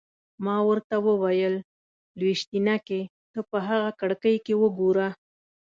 ما ورته وویل: لویشتينکې! ته په هغه کړکۍ کې وګوره.